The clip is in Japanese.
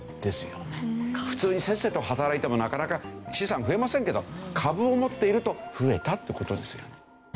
普通にせっせと働いてもなかなか資産増えませんけど株を持っていると増えたって事ですよ。